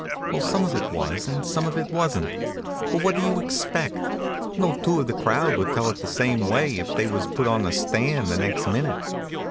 Well, some of it was, and some of it wasn't. But what do you expect? No two of the crowd would tell it the same way, if they was put on the stand the next minute.